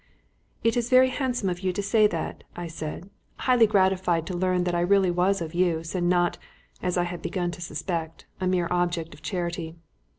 "It is very handsome of you to say that," I said, highly gratified to learn that I was really of use, and not, as I had begun to suspect, a mere object of charity.